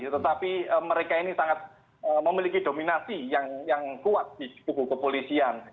tetapi mereka ini sangat memiliki dominasi yang kuat di tubuh kepolisian